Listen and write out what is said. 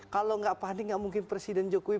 kalau nggak panik nggak mungkin presiden jokowi